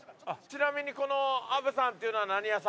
ちなみにこのあぶさんっていうのは。